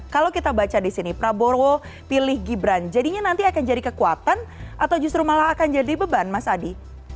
kalau kita baca di sini prabowo pilih gibran jadinya nanti akan jadi kekuatan atau justru malah akan jadi beban mas adi